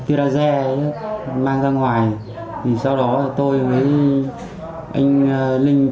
trú tại xã đại phạm huyện hạ hòa tỉnh phú thọ và hoàng đại phúc